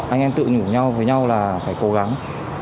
anh em tự nhủ nhau với nhau là phải cố gắng